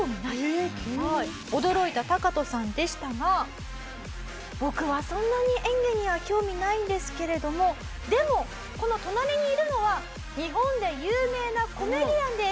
驚いたタカトさんでしたが僕はそんなに演技には興味ないんですけれどもでもこの隣にいるのは日本で有名なコメディアンです。